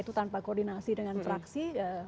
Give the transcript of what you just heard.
itu tanpa koordinasi dengan fraksi